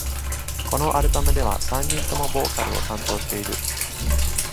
このアルバムでは三人ともボーカルを担当している。